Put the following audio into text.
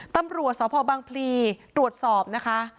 ตำรวจสพบังพลีตรวจสอบนะคะ